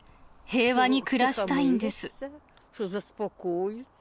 平和に暮らしたいんです。